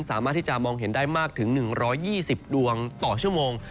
สามารถที่จะมองเห็นได้มากถึง๑๒๐ดวงต่อชั่วโมง